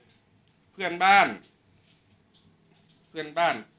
ช่างแอร์เนี้ยคือล้างหกเดือนครั้งยังไม่แอร์